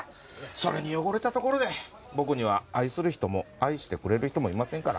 それに汚れたところで僕には愛する人も愛してくれる人もいませんから。